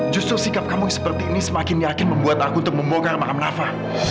justru sikap kamu seperti ini semakin yakin membuat aku untuk memogal makam nafa